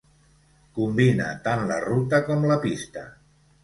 Combina tant la ruta com la pista.